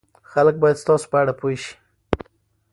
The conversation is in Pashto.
خلک باید ستاسو په اړه پوه شي.